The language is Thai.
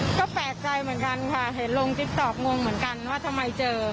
ก็แปลกใจเหมือนกันค่ะเห็นลงติ๊กต๊อกงงเหมือนกันว่าทำไมเจอ